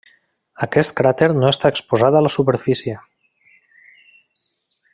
Aquest cràter no està exposat a la superfície.